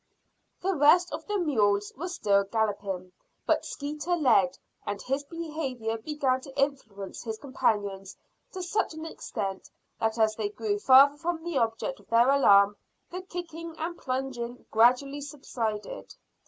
The rest of the mules were still galloping, but Skeeter led, and his behaviour began to influence his companions to such an extent that as they grew farther from the object of their alarm the kicking and plunging gradually subsided.